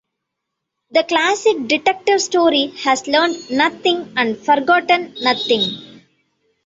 The classic detective story has learned nothing and forgotten nothing.